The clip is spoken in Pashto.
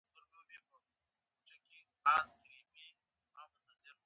د بیدیا د وحشي بوی شال مې پر سر کړ